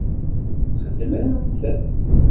Xedmemt!